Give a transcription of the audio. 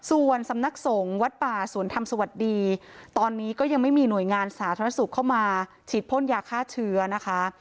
ส่วนสำนักสงฆ์วัดป่าสวนธรรมสวัสดีตอนนี้ก็ยังไม่มีหน่วยงานสาธารณสุขเข้ามาฉีดพ่นยาฆ่าเชื้อนะคะ